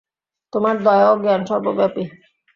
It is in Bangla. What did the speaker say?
তোমার দয়া ও জ্ঞান সর্বব্যাপী।